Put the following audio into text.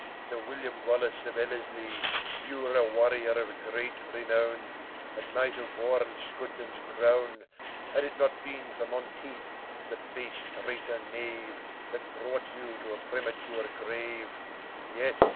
Sir William Wallace of Ellerslie, You were a warrior of great renown, And might have worn Scotland's crown; Had it not been for Monteith, the base traitor knave, That brought you to a premature grave; Yes!